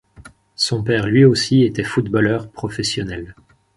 Son père lui aussi était footballeur professionnel.